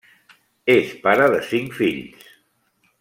És pare de cinc fills.